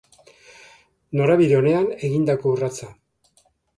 Norabide onean egindako urratsa.